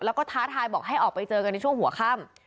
แล้วก็ท้าทายบอกให้ออกไปเจอกันในช่วงหัวค่ำ